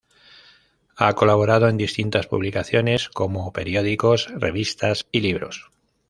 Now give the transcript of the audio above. Ha colaborado en distintas publicaciones como periódicos, revistas y libros.